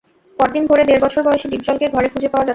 পরদিন ভোরে দেড় বছর বয়সী ডিপজলকে ঘরে খুঁজে পাওয়া যাচ্ছিল না।